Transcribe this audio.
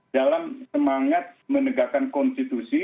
dalam semangat menegakkan konstitusi